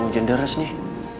mau hujan deres nih